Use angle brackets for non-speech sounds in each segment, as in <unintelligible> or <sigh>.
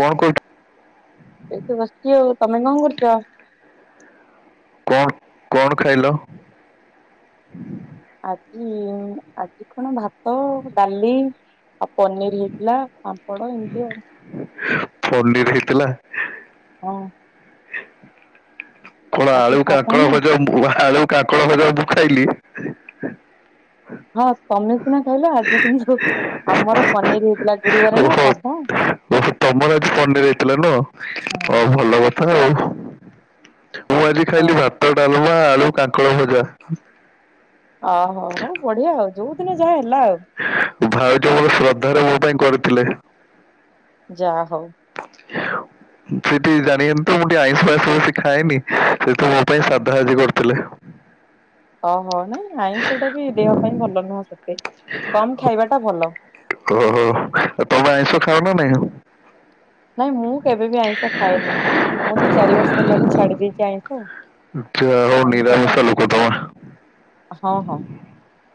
କଣ <unintelligible> ଏଇଠି ବସିିଚି ଆଉ। ତମେ କଣ କରୁଚ? କଣ କଣ ଖାଇଲ? ଆଜି ଆଜି କଣ ଭାତ, ଡାଲି ଆଉ ପନିର ହେଇଥିଲା। ପାମ୍ପଡ ଏମିତି ଆଉ। ପନିର ହେଇଥିଲା? ହଁ। କଣ ଆଜି ଆଳୁ ସାଧା ନା କାଙ୍କଡଭଜା ଆଳୁ କାଙ୍କଡ ଭଜା ମୁଁ ଖାଇଲି। <unintelligible> ତମେ ସିନା ଖାଇଲ, ଆଜି କିନ୍ତୁ ଆମର ପନିର ହେଇଥିଲା ଗୁରୁବାରେ ନା ଓହୋ। ସାଧା। ତମର ଆଜି ପନିର ହେଇଥିଲା ନୁହଁ। ହଁ ହଉ ଭଲକ <unintelligible> ମୁଁ ଆଜି ଖାଇଲି ହଉ ଭାତ, ଡାଲମା, ଆଳୁ କାଙ୍କଡଭଜା। ଓହୋ, ହଉ ବଢିଆ ଆଉ। ଯୋଉଦିନ ଯାହାହେଲା ଆଉ। ଭାଉଜ ମୋର ଶ୍ରଦ୍ଧାରେ ମୋ ପାଇଁ କରିଥିଲେ। ଯା ହଉ। ସେ ଟିକେ ଜାଣିଗଲେଣି ତ ମୁଁ ଟିକେ ଆଇଁଷ ପାଇଁଷ ବେଶୀ ଖାଏନି। <unintelligible> ମୋ ପାଇଁ ସାଧା ଆଜି କରିଥିଲେ। ଓହୋ। ନାଇଁ ଆଇଁଷ ଟାବି ଦେହ ପାଇଁ ଭଲ ନୁହଁ ସେତେ। କମ୍ ଖାଇବାଟା ଭଲ। ଓହୋ। ତମେ ଆଇଁଷ ଖାଅ ନା ନାଇଁ? ନାଇଁ ମୁଁ କେବେବି ଆଇଁଷ ଖାଏନି। ମୁଁ ଦି ଚାରି ବର୍ଷ ହେଲାଣି ଛାଡି ଦେଇଚି ଆଇଁଷ। ଆଚ୍ଛା ହଉ ଆଇଁଷ ଟା ନିରାମିଷ ଲୋକ ଭଲ ତମେ। ହଁ ହଁ।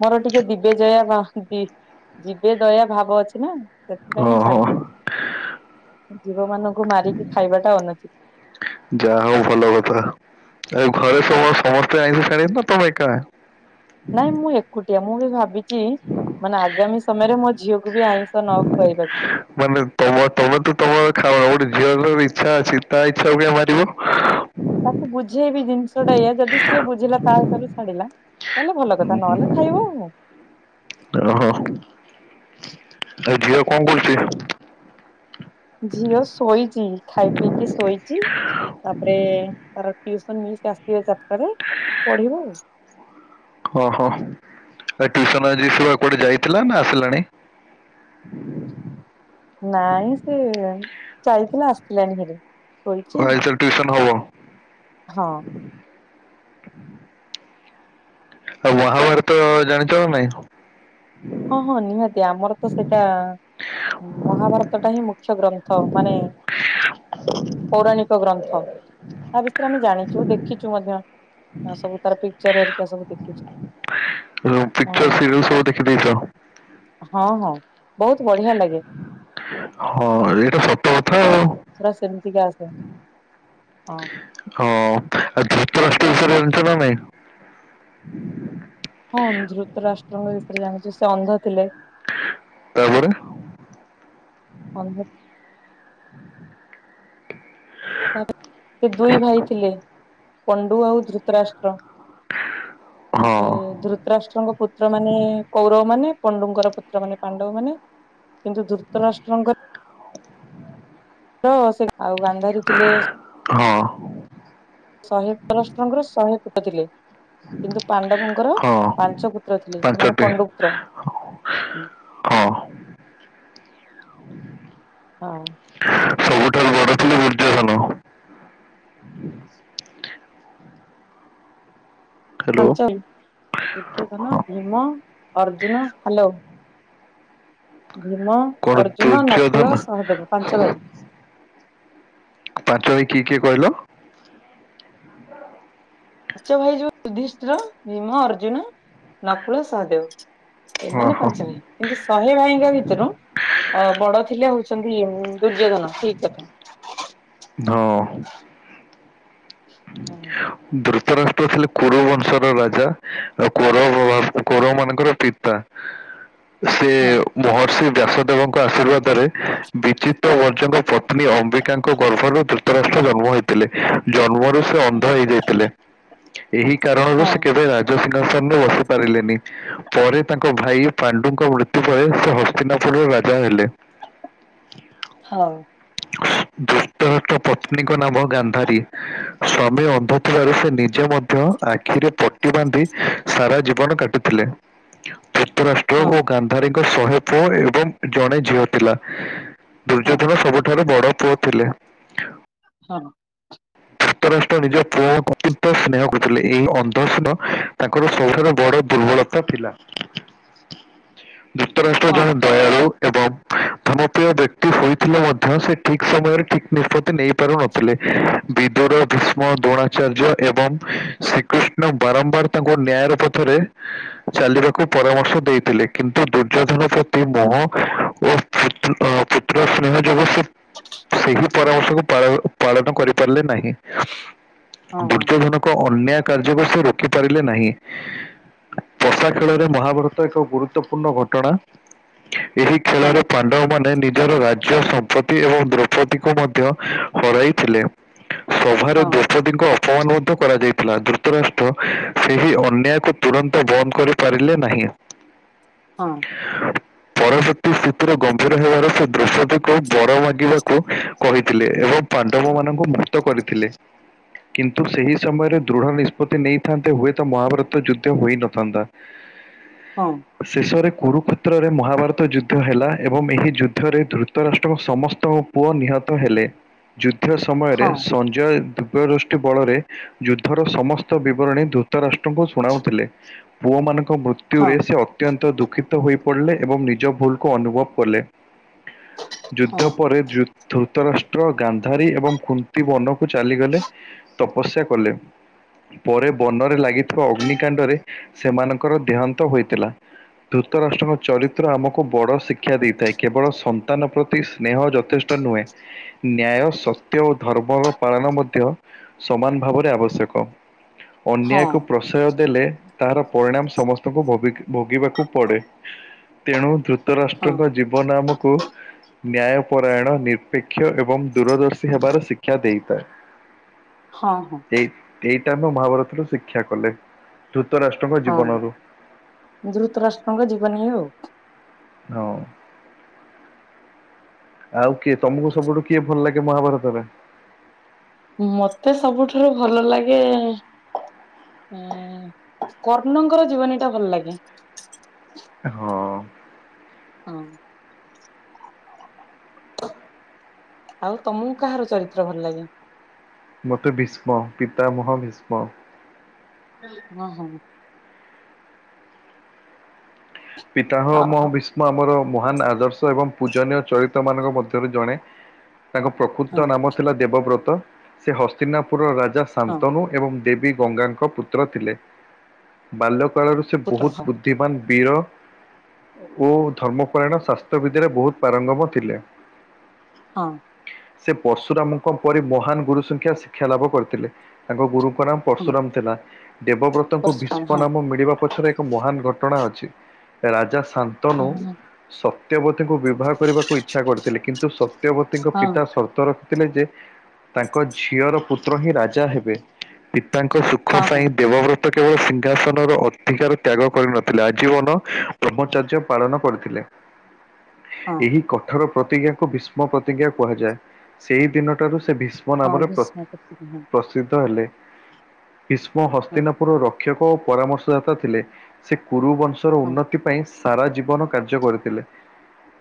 ମୋର ଟିକେ ଦିବେ ଜୟା ଭା ଦି ଜୀବେ ଦୟା ଭାବ ଅଛି ନା ସେଥିପାଇଁ ମୁଁ ଛାଡି ଦେଇଚି। ଓହୋ। ଜୀବ ମାନଙ୍କୁ ମାରିକି ଖାଇବାଟା ଅନୁଚିତ। ଯାହା ହଉ ଭଲକଥା। ଆଉ ହଁ ଘରେ ସମ ସମ <unintelligible> ତମେ ଏକା? ନାଇଁ ମୁଁ ଏକୁଟିଆ। ମୁଁ ବି ଭାବିଚି ମାନେ ଆଗାମୀ ସମୟରେ ମୋ ଝିଅକୁ ତାକୁ ବି ଆଇଁଷ ନ ଖୁଆଇବାକୁ। ମାନେ ତମ ତମେ ତ ତମର ଖାଉନ, ଗୋଟେ ଝିଅର ଇଚ୍ଛା ଅଛି ତା ଇଚ୍ଛାକୁ କାଇଁ ମାରିବ। ତାକୁ ବୁଝେଇବି ଜିନିଷ ଟା ଏଇୟା। ଯଦି ସିଏ ବୁଝିଲା ତା ହିସାବରେ ଛାଡିଲା ତାହେଲେ ଭଲ ଉଁ କଥା ହୁଁ ନହେଲେ ଖାଇବ ଆଉ କଣ। <unintelligible> ଆଉ ଝିଅ କଣ କରୁଚି? ଝିଅ ଶୋଇଚି। ଖାଇ ପିଇକି ଶୋଇଚି। ତାପରେ ତାର ଟିଉସନ୍ ମିସ୍ ଆସିବେ ଚାରିଟାରେ ପଢିବ ଆଉ। ହଁ, ହଁ। ଆଉ ଟିଉସନ୍ ଆଜି ସେ କୁଆଡେ ଯାଇଥିଲା ନା ଆସିଲାଣି? <inaudible> ନାଇଁ ସେ ଯାଇଥିଲା ଆସିିଲାଣି ହାରି। ଶୋଇଚି। ଟିଉସନ ହବ? ହଁ। ଆଉ ହଁ ମହାଭାରତ ଜାଣିଚ ନା ନାଇଁ? ହଁ ହଁ ନିହାତି ଆମର ତ ସେଇଟା ମହାଭାରତ ଟା ହିଁ ମୁଖ୍ୟ ଗ୍ରନ୍ଥ ମାନେ ପୌରାଣିକ ଗ୍ରନ୍ଥ। ତା ବିଷରେ ଆମେ ଜାଣିଛୁ, ଦେଖିଛୁ ମଧ୍ୟ ସବୁ ତାର ପିକଚର୍ ହେରିକା ସବୁ ଦେଖୁଛୁ ହାଲୋ ପିକଚର୍ ମହାଭାରତ ସିରିଏଲ ସବୁ ଦେଖିଦେଇଚ? ହଁ, ହଁ, ବୋହୁତ ବଢିଆ ଲାଗେ। ହଁ ଏଇଟା ସ ତଥା ମାନେ ଆଉ ପୁରା ସେମିତିକା ଆସେ ହଁ ହଁ ଆଉ ଧୁତରାଷ୍ଟ ବିଷୟରେ ଜାଣିଛ ନା ନାଇଁ ହଁ। ହଁ ଧ୍ରୁତ ରାଷ୍ଟ୍ରଙ୍କ ବିଷୟରେ ଜାଣିଛୁ, ସେ ଅନ୍ଧ ଥିଲେ। ତାପରେ ଅନ୍ଧ ତାପରେ ସେ ଦୁଇ ଭାଇ ଥିଲେ। ପଣ୍ଡୁ ଆଉ ଧୃତରାଷ୍ଟ୍ର ତାପରେ ହଁ ଧୁତ ଧୂତରାଷ୍ଟ୍ରଙ୍କ ପୁତ୍ରର ମାନେ କୌରବ ମାନେ ପଣ୍ଡୁଙ୍କର ପୁତ୍ର ମାନେ ପାଣ୍ଡବ ମାନେ। କିନ୍ତୁ ଧୁତରାଷ୍ଟ୍ରଙ୍କ ତ ସେ ଆଉ ଗାନ୍ଧାରୀ ଥିଲେ ହଁ ଶହେ ଧୂତରାଷ୍ଟ୍ରଙ୍କର ଶହେ ଫୁଅ ଥିଲେ। କିନ୍ତୁ ପାଣ୍ଡବଙ୍କର ହଁ ପାଞ୍ଚ ପୁତ୍ର ଥିଲେ ସେମାନେ ପାଞ୍ଚଟି ପଣ୍ଡୁପୁତ୍ର।। ହଁ ହୋଉ। ଆଛା ସବୁଠାରୁ ବଡ ଥିଲେ ଦୁର୍ଯ୍ୟଧନ। ହ୍ୟାଲୋ ପାଞ୍ଚାଳି ଦୁର୍ଯ୍ୟୋଧନ, ହଁ ଭୀମ, ଅର୍ଜୁନ, ହାଲୋ। ଭୀମ, କଣ ଅର୍ଜୁନ, ନକୁଳ, ଦୁର୍ଯ୍ୟୋଧନ ସହଦେବ ପାଞ୍ଚ ଭାଇ। ପାଞ୍ଚ ଭାଇ କିଏ କିଏ କହିଲ? ପାଞ୍ଚ ଭାଇ ଯୋଉ ଯୁଧିଷ୍ଠୀର, ଭୀମ, ଅର୍ଜୁନ, ନକୁଳ, ସହଦେବ। ହଁ ଏମାନେ ହଁ ପାଞ୍ଚ ଭାଇ କିନ୍ତୁ ଶହେ ଭାଇଙ୍କୁ ଭିତରୁ ଅ ବଡ ଥିଲେ ହୋଉଚନ୍ତି ଦୁର୍ଯ୍ୟୋଧନ ଠିକ୍ କଥା। ହଁ। ହୁଁ। ଧୁତରାଷ୍ଟ୍ର ଥିଲେ କୋଉରବଂଶର ରାଜା ଆଉ କୋଉର କୋଉରବ ମାନଙ୍କର ପିତା। ସେ ହଁ ମହର୍ଷି ବ୍ୟାସଦେବଙ୍କ ଆଶୀର୍ବାଦରେ ବିଚିତ ବର୍ଜଙ୍କ ପତ୍ନୀ ଅମ୍ବିକାଙ୍କ ଗର୍ଭରୁ ଯୁତରାଷ୍ଟ୍ର ଜନ୍ମ ହେଇଥିଲେ ଜନ୍ମ ସେ ଅନ୍ଧ ହେଇଯାଇଥିଲେ ଏହି କାରଣରୁ ହଁ ସେ କେବେ ରାଜସିଂହାସନରେ ବସି ପାରିଲେନି। ପରେ ତାଙ୍କ ଭାଇ ପାଣ୍ଡୁଙ୍କ ମୃତ୍ୟୁ ପରେ ସେ ହସ୍ତିନାପୁରରେ ରାଜା ହେଲେ। ହୋଉ। ଯୁ ରାଷ୍ଟ୍ର ପତ୍ନୀଙ୍କ ନାମ ଗାନ୍ଧାରୀ ସ୍ଵାମୀ ଅନ୍ଧ ଥିବାରୁ ସେ ନିଜେ ମଧ୍ୟ ଆଖିରେ ପ ସେ ବାନ୍ଧି ସାରା ଜୀବନ କାଟିଥିଲେ। ଯୁକ୍ତରାଷ୍ଟ୍ର ହଁ ଓ ଗାନ୍ଧାରୀଙ୍କ ଶହେ ପୁଅ ଏବଂ ଜଣେ ଝିଅ ଥିଲା। ଦୁର୍ଯ୍ୟୋଧନ ସବୁଠାରୁ ବଡ଼ ପୁଅ ଥିଲେ। ହଁ। ଯୁକ୍ତରାଷ୍ଟ୍ର ନିଜ ପୁଅକୁ ଅତ୍ୟନ୍ତ ସ୍ନେହ କରୁଥିଲେ ଏଇ ଅନ୍ଧ ସ୍ନେହ ତାଙ୍କର ସବୁଠାରୁ ବଡ ଦୁର୍ବଳତା ଥିଲା। ଯୁକ୍ତରାଷ୍ଟ୍ର ହଁ ଯଣେ ଦୟାଳୁ ଏବଂ ଧନପ୍ରିୟ ବ୍ୟକ୍ତି ସୋଇଥିଲେ ମଧ୍ୟ ସେ ଠିକ୍ ସମୟରେ ଠିକ୍ ନିଷ୍ପତ୍ତି ନେଇ ପାରୁନଥିଲେ। ବିଦୁର ଭୀଷ୍ମ ଦ୍ରୋଣାଚାର୍ଯ୍ୟ ଏବଂ ଶ୍ରୀକୃଷ୍ଣ ବାରମ୍ବାର ତାଙ୍କୁ ନ୍ୟାୟର ପଥରେ ଚାଲିବାକୁ ପରାମର୍ଶ ଦେଇଥିଲେ କିନ୍ତୁ ଦୁର୍ଯ୍ୟୋଧନ ପ୍ରତି ମୋହ ଓ ପୁତ୍ରୁ ଅ ପୁତ୍ର ସ୍ନେହ ଯୋଗୁ ସେ ସେହି ପରାମର୍ଶକୁ ପାଳ ପାଳନ କରି ପାରିଲେ ନାହିଁ ହଁ ଦୁର୍ଯ୍ୟଧନ ଙ୍କ ଅନ୍ୟାୟ କାର୍ଯ୍ୟକୁ ସେ ରୋକି ପାରିଲେ ନାହିଁ। ପଷା ଖେଳରେ ମହାଭାରତ ଏକ ଗୁରୁତ୍ୱପୂର୍ଣ୍ଣ ଘଟଣା ଏହି ହଁ ଖେଳରେ ପାଣ୍ଡବମାନେ ନିଜର ରା ଜ୍ୟ ସମ୍ପତ୍ତି ଏବଂ ଦ୍ରୌପଦୀକୁ ମଧ୍ୟ ହରାଇଥିଲେ ସଭାରେ ହଁ ଦୋ ପଦୀଙ୍କ ଅପମାନ ମଧ୍ୟ କରାଯାଇଥିଲା ଦ୍ରୁତରାଷ୍ଟ୍ର ସେହି ଅନ୍ୟାୟକୁ ତୁରନ୍ତ ବନ୍ଦ କରି ପାରିଲେ ନାହିଁ। ହଁ। ପ୍ରତି ସ୍ଥିତିର ଗମ୍ଭୀର ହେବାର ସେ ଦୃଶ୍ୟଟିକୁ ବର ମାଗିବାକୁ କହିଥିଲେ ଏବଂ ପାଣ୍ଡବ ମାନ କୁ ମୁକ୍ତ କରିଥିଲେ। କିନ୍ତୁ ସେହି ସମୟରେ ଦୃଢ ନିଷ୍ପତ୍ତି ନେଇଥାନ୍ତେ ହୁଏତ ମହାଭାରତ ଯୁଦ୍ଧ ହୋଇନଥାନ୍ତା। ହଁ। ଶେଷରେ କୁରୁକ୍ଷେତ୍ରରେ ମହାଭାରତ ଯୁଦ୍ଧ ହେଲା ଏବଂ ଏହି ଯୁଦ୍ଧରେ ଦୃତ ତ ରାଷ୍ଟ୍ରଙ୍କ ସମସ୍ତଙ୍କ ପୁଅ ନିହତ ହେଲେ ଯୁଦ୍ଧ ସମୟରେ ହଁ ସଞ୍ଜୟ ଦୁ ଦୃଷ୍ଟି ବଳରେ ଯୁଦ୍ଧର ସମସ୍ତ ବିବରଣୀ ଦୂତରାଷ୍ଟ୍ରଙ୍କୁ ଶୁଣାଉଥିଲେ। ପୁଅ ମାନଙ୍କ ମୃତ ତ୍ୟୁ ରେ ହଁ ସେ ଅତ୍ୟନ୍ତ ଦୁଃଖିତ ହୋଇ ପଡ଼ିଲେ ଏବଂ ନିଜ ଭୁଲକୁ ଅନୁଭବ କଲେ। ହଁ ଯୁଦ୍ଧ ପରେ ଯୁ ଧୃତରାଷ୍ଟ୍ର ଗାନ୍ଧାରୀ ଏବଂ କୁ ନ୍ତି ବନକୁ ଚାଲିଗଲେ ତପସ୍ୟା କଲେ। ପରେ ବନରେ ଲାଗିଥିବା ଅଗ୍ନିକାଣ୍ଡରେ ସେମାନଙ୍କର ଦେହାନ୍ତ ହୋଇଥିଲା। ଧୃତରାଷ୍ଟ୍ରଙ୍କ ଚରିତ୍ର ଆମକୁ ବଡ଼ ଶିକ୍ଷା ଦେଇଥାଏ କେବଳ ସନ୍ତାନ ପ୍ରତି ସ୍ନେହ ଯଥେଷ୍ଟ ନୁହେଁ <inaudible> ନ୍ୟାୟ ସତ୍ୟ ଓ ଧର୍ମର ପାଳନ ମଧ୍ୟ ସମାନ ଭାବରେ ଆବଶ୍ୟକ। ହଁ ଅନ୍ୟାୟକୁ ପ୍ରଶୟ ଦେଲେ ତାହାର ପରିଣାମ ସମସ୍ତଙ୍କୁ ଭବିକ ଭୋଗିବାକୁ ପଡ଼େ ତେଣୁ ଧୃତ ହଁ ରାଷ୍ଟ୍ରଙ୍କ ଜୀ ଜିବନ ନାମକୁ ନ୍ୟାୟ ପରାୟଣ ନିରପେକ୍ଷ ଏବଂ ଦୂରଦର୍ଶୀ ହେବାର ଶିକ୍ଷା ଦେଇଥାଏ। ହଁ ହଁ। ଏଇ ଏଇଟା ଆମ ମହାଭାରତରୁ ଶିକ୍ଷା କଲେ ଧୃତ ରା ହଁ ଦୃତରାଷ୍ଟ୍ରଙ୍କ ଜୀବନ ଇଏ ଆଉ। ହଁ। ଆଉ କିଏ ତମକୁ ସବୁଠୁ କିଏ ଭଲ ଲାଗେ ମହାଭାରତରେ? ମତେ ସବୁଠାରୁ ଭଲ ଲାଗେ ଏ କର୍ଣ୍ଣଙ୍କର ଜୀବନୀ ଟା ଭଲ ଲାଗେ। ହଁ। ହଁ। ଆଉ ତମକୁ କାହାର ଚରିତ୍ର ଭଲ ଲାଗେ? ମତେ ଭୀଷ୍ମ ପିତାମହ ଭୀଷ୍ମ। ହଁ ହଁ। ପିତାହ ଓହୋ ମହ ବିୀଷ୍ମ ଆମର ମହାନ ଆଦର୍ଶ ଏବଂ ପୂଜନୀୟ ଚରିତ୍ରମାନଙ୍କ ମଧ୍ୟରୁ ଜଣେ। ତାଙ୍କ ହଁ ପ୍ରକୃତ ହଁ ନାମ ଥିଲା ଦେବବ୍ରତ ସେ ହସ୍ତିନାପୁର ରାଜା ହଁ ଶାନ୍ତନୁ ଏବଂ ଦେବୀ ଗଙ୍ଗାଙ୍କ ପୁତ୍ର ଥିଲେ ବାଲ୍ୟ କାଳରୁ ସେ ପୁତ୍ର ହଁ ବହୁତ ଦିମାନ ବୀର ଓ ଧର୍ମପରାୟଣ ଶାସ୍ତ୍ର ବିଦ୍ୟାରେ ବହୁତ ପାରଙ୍ଗମ ଥିଲେ। ହଁ। ସେ ପଶୁରାମଙ୍କ ପରି ମହାନ ଗୁରୁ ସଂଖ୍ୟା ଶିକ୍ଷା ଲାଭ କରିଥିଲେ ତାଙ୍କ ଗୁରୁଙ୍କ ନାମ ହଁ ପରଶୁରାମ ଥିଲା ଦେବବ୍ରତଙ୍କୁ ପରଶୁରାମ ଭୀଷ୍ମ ହଁ ନାମ ମିଳିବା ପଛରେ ଏକ ମହାନ ଘଟଣା ଅଛି। ରାଜା ଶନ୍ତନୁ ହଁ ସ ସତ୍ୟବତୀଙ୍କୁ ବିବାହ କରିବାକୁ ଇଚ୍ଛା କରିଥିଲେ କିନ୍ତୁ ସତ୍ୟବତୀଙ୍କ ହଁ ପିତା ସର୍ତ୍ତର ଥିଲେ ଯେ ତାଙ୍କ ଝିଅର ପୁତ୍ର ହିଁ ରାଜା ହେବେ। ପିତାଙ୍କ ସୁଖ ହଁ ହଁ ହଁ ପାଇଁ ଦେବବ୍ରତ ତ କେବଳ ସିଂହାସନର ଅଧିକାର ତ୍ୟାଗ କରିନଥିଲା ଆଜୀବନ ବ୍ରହ୍ମଚାର୍ଯ୍ୟ ପାଳନ କରିଥିଲେ ହଁ ଏହି କଠୋର ପ୍ରତିଜ୍ଞାକୁ ବି ଭୀଷ୍ମ ପ୍ରତିଜ୍ଞା କୁହାଯାଏ ସେଇ ଦିନଠାରୁ ସେ ଭୀଷ୍ମ ହଁ ନାମରେ ପ ଭୀଷ୍ମ ପିତାମହ ପସି ତି ତ ହେଲେ ଭୀଷ୍ମ ହଁ ହସ୍ତିନାପୁର ର ଶିକ୍ଷକ ପରାମର୍ଶଦାତା ଥିଲେ ସେ କୁରୁ ବଂଶର ହଁ ଉନ୍ନତି ଥି ପାଇଁ ସାରା ଜୀବନ କାର୍ଯ୍ୟ କରିଥିଲେ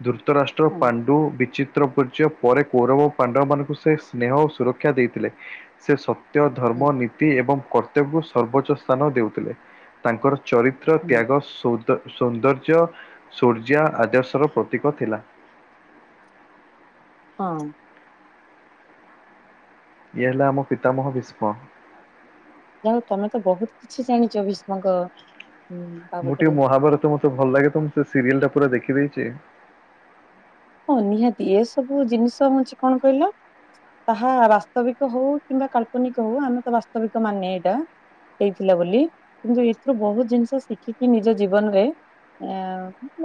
ଧୃତ ରାଷ୍ଟ୍ର ହଁ ପାଣ୍ଡୁ ବିଚିତ୍ର ପୁତ୍ର ପୂଜ୍ୟ ପରେ କୌରବ ପାଣ୍ଡବ ମାନଙ୍କୁ ସେ ସ୍ନେହ ଓ ସୁରକ୍ଷା ଦେଇଥିଲେ। ସେ ସତ୍ୟ ଧର୍ମ ହଁ ନି ତି ଏବଂ କର୍ତ୍ତବ୍ୟକୁ ସର୍ବୋଚ୍ଚ ସ୍ଥାନ ଦେଉଥିଲେ ତାଙ୍କର ଚରିତ୍ର ହଁ ତ୍ୟାଗ <unintelligible> ସୌନ୍ଦର୍ଯ୍ୟ ସୂର୍ଯ୍ୟା ଆଦର୍ଶର ପ୍ରତୀକ ଥିଲା। ହଁ। ଇଏ ହେଲା ଆମ ପିତାମହ ଭୀଷ୍ମ। ଯାହା ହେଉ ତମେ ତ ବହୁତ କିଛି ଜାଣିଛ ଭୀଷ୍ମଙ୍କ ଉଁ, ମୁଁ ବାବଦରେ ଟିକେ ମହାଭାରତ ମତେ ଭଲ ଲାଗେ ତ ମୁଁ ସେ ସିରିଏଲ ଟା ପୁରା ଦେଖିଦେଇଛି। ହଁ ନିହାତି ଏ ସବୁ ଜିନିଷ ହଉଛି କଣ କହିଲ? ତାହା ବାସ୍ତବିକ ହଉ କିମ୍ବା କାଳ୍ପନିକ ହଉ ଆମେ ତ ବାସ୍ତବିକ ମାନେ ଏଇଟା ହେଇଥିଲା ବୋଲି କିନ୍ତୁ ଏଥିରୁ ବହୁତ ଜିନିଷ ଶିଖିକି ନିଜ ଜୀବନରେ ଆ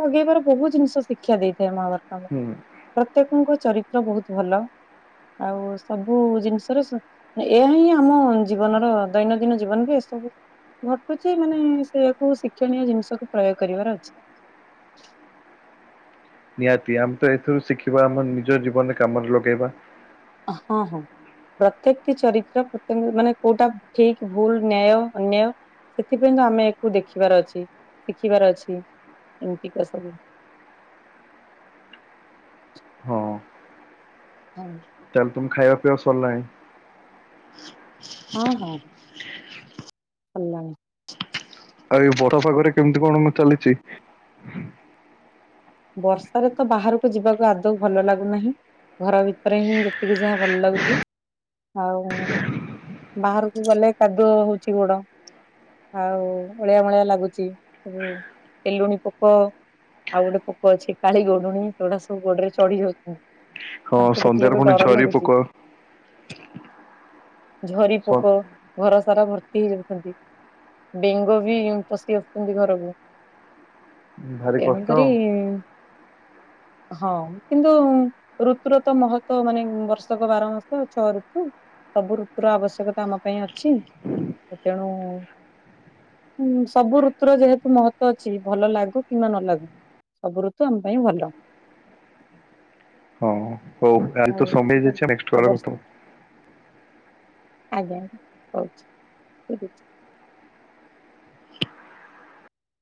ଲଗେଇବାର ବହୁତ ଜିନିଷ ଶିକ୍ଷା ଦେଇଥାଏ ମହାଭାରତ ଆମକୁ ହୁଁ ପ୍ରତ୍ୟେକଙ୍କ ଚରିତ୍ର ବହୁତ ଭଲ ଆଉ ସବୁ ଜିନିଷରେ ଏହା ହିଁ ଆମ ଜୀବନର ଦୈନନ୍ଦିନ ଜୀବନ ବି ଏସବୁ ଘଟୁଛି ମାନେ ସେୟାକୁ ଶିକ୍ଷଣୀୟ ଜିନିଷକୁ ପ୍ରୟୋଗ କରିବାର ଅଛି। ନିହାତି ଆମେ ତ ଏଥିରୁ ଶିଖିବା ଆମ ନିଜ ଜୀବନରେ କାମରେ ଲଗେଇବା। ହଁ ହଁ। ପ୍ରତ୍ୟେକଟି ଚରିତ୍ର ପ୍ରତ୍ୟ ମାନେ କୋଉଟା ଠିକ ଭୁଲ ନ୍ୟାୟ ଅନ୍ୟାୟ ସେଥିପାଇଁ ତ ଆମେ ଏହାକୁ ଦେଖିବାର ଅଛି ଶିଖିବାର ଅଛି ଏମତିକା ସବୁ। ହଁ। ତାଲେ ତୁମ ଖାଇବା ପିଇବା ସରିଲାଣି। ହଁ ହଁ ସରିଲାଣି। ଆଉ ଏ ବଡ ପାାଗରେ କେମିତି କଣ ମ ଚାଲିଛି? ବର୍ଷାରେ ତ ବାହାରକୁ ଯିବାକୁ ଆଦୌ ଭଲ ଲାଗୁନାହିଁ ଘର ଭିତରେ ହିଁ ଯେ ଟିକେ ଯାହା ଭଲ ଲାଗୁଛି। ଆଉ ବାହାରକୁ ଗଲେ କାଦୁଅ ହଉଛି ଗୋଡ। ଆଉ ଅଳିଆ ମଳିଆ ଲାଗୁଛି ଉ ତେଲୁଣି ପୋକ ଆଉ ଗୋଟେ ପୋକ ଅଛି କାଳି ଗୋଉଡୁଣି ସେଗୁଡା ସବୁ ଗୋଡରେ ଚଢି ଯାଉଛନ୍ତି। ହଁ ତାଙ୍କୁ ଦେଖିଲେ ସନ୍ଧ୍ୟାରେ ତ ପୁଣି ଡର ଝରି ପୋକ। ଲାଗୁଛି। ଝରି ସ- ପୋକ ଘରସାରା ଭର୍ତ୍ତି ହେଇଯାଉଛନ୍ତି। ବେଙ୍ଗ ବି ପଶି ଆସୁଛନ୍ତି ଘରକୁ। ଭାରି ତେଣୁ କଷ୍ଟ କରି ଆଉ ହଁ କିନ୍ତୁ ଋତୁୁର ତ ମହତ ମାନେ ବର୍ଷକ ବାର ମାସ ଛଅ ଋତୁ। ସବୁ ଋତୁର ଆବଶ୍ୟକତା ଆମ ପାଇଁ ଅଛି ତେଣୁ ହୁଁ ସବୁ ଋତୁର ଯେହେତୁ ମହତ୍ୱ ଅଛି ଭଲ ଲାଗୁ କିମ୍ବା ନ ଲାଗୁ ସବୁ ଋତୁ ତୁ ଆମ ପାଇଁ ଭଲ। ହଁ ହଉ ଆଜି ଆଉ ତ ସମୟ ହେଇ ଟିକେ ଯାଇଛି ନେଷ୍ଟ ଆଉ କଲ୍ ରେ ବର୍ଷ କଥା ହେବା। ଆଜ୍ଞା ଆଜ୍ଞା ହଉଛି ଠିକ ଅଛି।